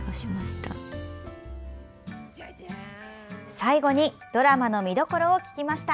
最後にドラマの見どころを聞きました。